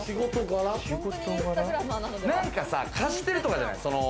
なんかさ、貸してるとかじゃない？